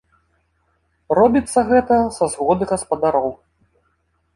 Робіцца гэта са згоды гаспадароў.